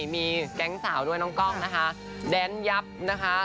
มีแก๊งสาวด้วยน้องกล้องนะคะแดนยับนะคะ